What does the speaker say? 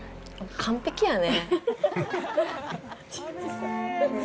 完璧やね。